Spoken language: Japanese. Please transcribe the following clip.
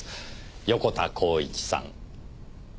横田幸一さん。